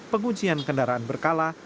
pengujian kendaraan berkala